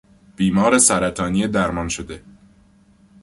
بیمار سرطانی درمان شده